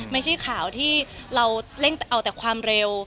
ไม่ใช่ข่าวที่เราเร่งเอาแต่ความเร็ว